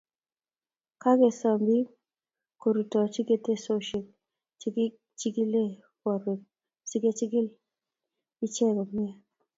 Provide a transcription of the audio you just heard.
kakesom biik korutoichi ketesiosiek chekichikilee borwek asi kechigil ichee komie